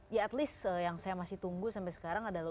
ya at least yang saya masih tunggu sampai sekarang adalah